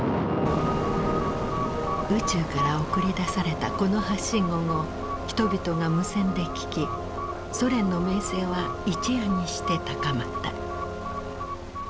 宇宙から送り出されたこの発信音を人々が無線で聞きソ連の名声は一夜にして高まった。